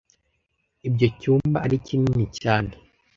Ibyo cyumba ari kinini cyane.